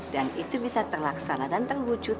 dan itu bisa terlaksana dan terwujud